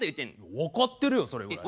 分かってるよそれぐらい。